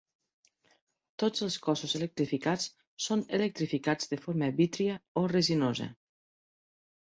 Tots els cossos electrificats són electrificats de forma vítria o resinosa.